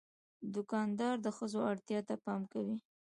دوکاندار د ښځو اړتیا ته پام کوي.